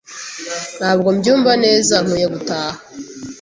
Ntabwo mbyumva neza. Nkwiye gutaha.